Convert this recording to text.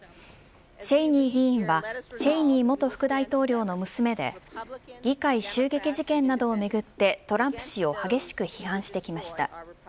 チェイニー議員はチェイニー元副大統領の娘で議会襲撃事件などをめぐってトランプ氏を激しく批判してきました。